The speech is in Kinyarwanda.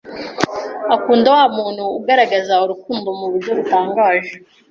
Akunda wa muntu ugaragaza urukundo mu buryo butangaje.